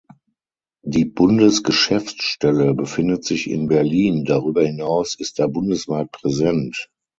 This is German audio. Die Bundesgeschäftsstelle befindet sich in Berlin, darüber hinaus ist er bundesweit präsent.